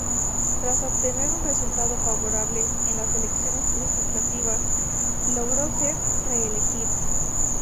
Tras obtener un resultado favorable en las elecciones legislativas, logró ser reelegida.